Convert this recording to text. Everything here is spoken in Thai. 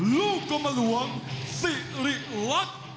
ลูกก็มารวม๔ฤลักษณ์